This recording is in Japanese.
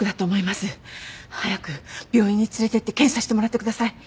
早く病院に連れてって検査してもらってください。